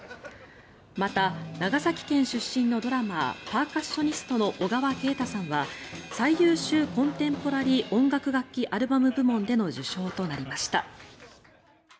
また、長崎県出身のドラマーパーカッショニストの小川慶太さんは最優秀コンテンポラリー音楽楽器アルバム部門での受賞となりました。